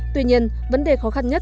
tuy nhiên vấn đề khó khăn nhất